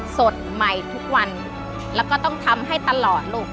สดใหม่ทุกวันแล้วก็ต้องทำให้ตลอดลูก